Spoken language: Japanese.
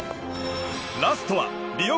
ラストはリオ